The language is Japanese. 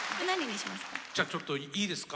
じゃちょっといいですか？